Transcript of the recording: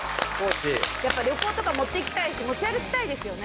旅行とか持っていきたいし持ち歩きたいですよね。